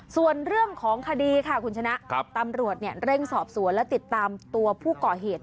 ส่วนเรื่องของคดีค่ะคุณชนะตำรวจเร่งสอบสวนและติดตามตัวผู้ก่อเหตุ